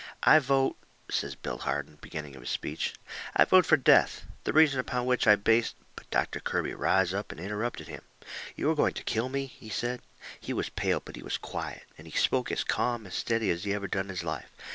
"I vote," says Billy Harden, beginning of his speech, "I vote for death. The reason upon which I base " But Doctor Kirby riz up and interrupted him. "You are going to kill me," he said. He was pale but he was quiet, and he spoke as calm and steady as he ever done in his life.